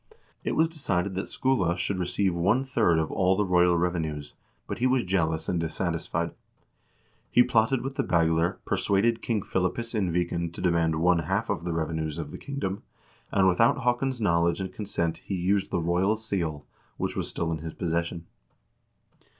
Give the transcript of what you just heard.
It was decided that Skule should receive one third of all the royal revenues, but he was jealous and dissatisfied. He plotted with the Bagler, persuaded King Philippus in Viken to demand one half of the revenues of the kingdom, and without Haakon's knowledge and consent he used the royal seal, which was still in his possession.